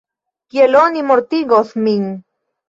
Kiel oni mortigos min?